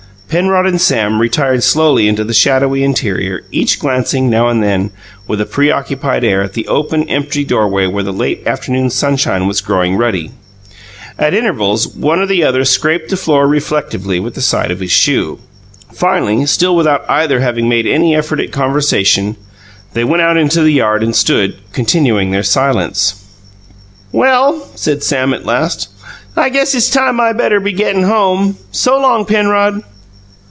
Penrod and Sam retired slowly into the shadowy interior, each glancing, now and then, with a preoccupied air, at the open, empty doorway where the late afternoon sunshine was growing ruddy. At intervals one or the other scraped the floor reflectively with the side of his shoe. Finally, still without either having made any effort at conversation, they went out into the yard and stood, continuing their silence. "Well," said Sam, at last, "I guess it's time I better be gettin' home. So long, Penrod!"